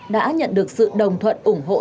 đã nhận được sự đồng thuận ủng hộ